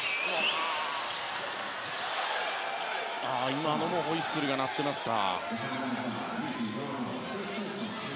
今のもホイッスルが鳴っていました。